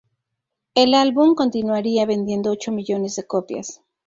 El álbum continuaría vendiendo ocho millones de copias.